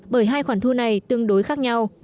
bởi hai khoản thu này tương đối khác nhau